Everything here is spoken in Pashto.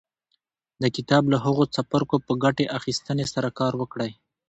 د کتاب له هغو څپرکو په ګټې اخيستنې سره کار وکړئ.